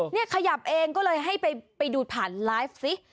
นี่ขยับเองก็เลยให้ไปดูผ่านไลฟ์สิ